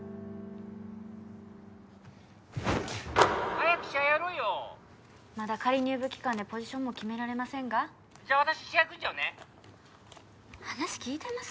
☎早く試合やろうよまだ仮入部期間でポジションも決められませんが☎じゃあ私試合組んじゃうね話聞いてます？